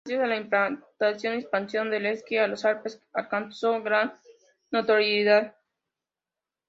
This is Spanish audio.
Gracias a la implantación y expansión del esquí en los Alpes alcanzó gran notoriedad.